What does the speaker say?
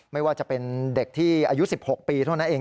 ไม่ว่าจะเป็นเด็กที่อายุ๑๖ปีเท่านั้นเอง